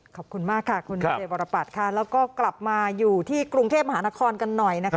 ขอบคุณมากค่ะคุณเจบรปัตย์ค่ะแล้วก็กลับมาอยู่ที่กรุงเทพมหานครกันหน่อยนะคะ